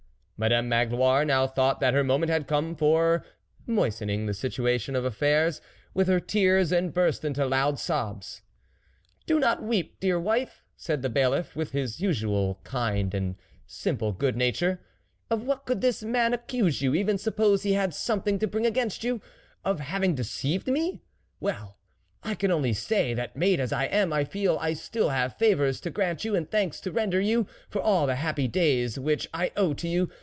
Madame Magloire now thought that her moment had come for moistening the situation of affairs with her tears, and burst into loud sobs. " Do not weep, dear wife !" said the Bailiff, with his usual kind and simple good nature. " Of what could this man accuse you, even suppose he had some thing to bring against you ! Of having deceived me ? Well, I can only say, that made as I am, I feel I still have favours to grant you and thanks to render you, for all the happy days which I owe to you.